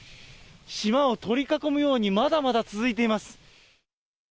島を取り囲むように、まだまだ続いています。